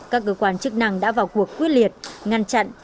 các cơ quan chức năng đã vào cuộc quyết liệt ngăn chặn